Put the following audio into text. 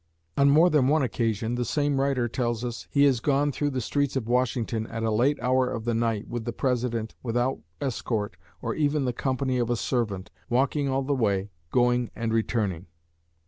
On more than one occasion, the same writer tells us, he "has gone through the streets of Washington at a late hour of the night with the President, without escort, or even the company of a servant, walking all the way, going and returning.